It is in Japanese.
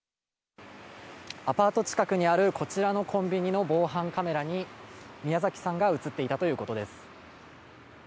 アパート近くにあるこちらのコンビニの防犯カメラに宮崎さんが映っていたということです。